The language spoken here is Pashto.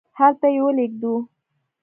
هلته یې ولیږدوو.